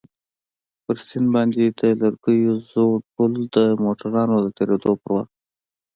پر سيند باندى د لرګيو زوړ پول د موټرانو د تېرېدو پر وخت.